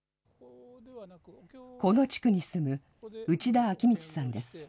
この地区に住む内田昭光さんです。